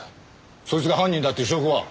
そいつが犯人だっていう証拠は？